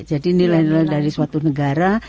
jadi nilai nilai dari suatu negara